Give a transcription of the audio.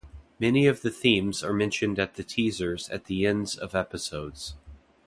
Many of the themes are mentioned at the teasers at the ends of episodes.